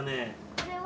これは。